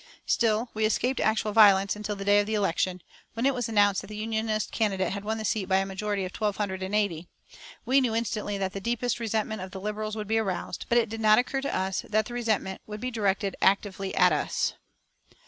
Still, we escaped actual violence until the day of the election, when it was announced that the Unionist candidate had won the seat by a majority of twelve hundred and eighty. We knew instantly that the deepest resentment of the Liberals would be aroused, but it did not occur to us that the resentment would be directed actively against us.